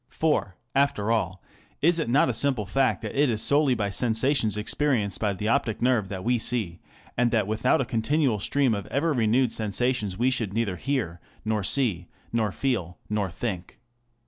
For, after all, is it not a simple fact that it is solely by sensations experienced by the optic nerve that we see, and that without a continual stream of ever renewed sensations we should neither hear, nor see, nor feel, nor think.